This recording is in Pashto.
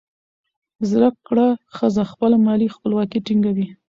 زده کړه ښځه خپله مالي خپلواکي ټینګوي.